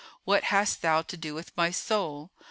What hast thou to do with my soul?